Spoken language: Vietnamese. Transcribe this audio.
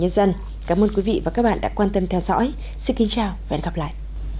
nhân dân cảm ơn quý vị và các bạn đã quan tâm theo dõi xin kính chào và hẹn gặp lại